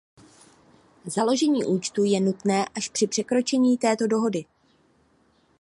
Založení účtu je nutné až při překročení této hodnoty.